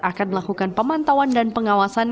akan melakukan pemantauan dan pengawasan